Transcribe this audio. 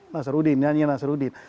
nasarudin nyanyian nasarudin